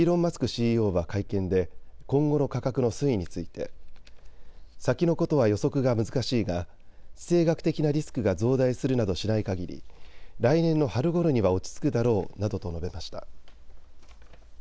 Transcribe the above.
ＣＥＯは会見で今後の価格の推移について先のことは予測が難しいが地政学的なリスクが増大するなどしないかぎり来年の春ごろには落ち着くだろうなどと述べました。